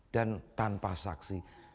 dan tanpa saksi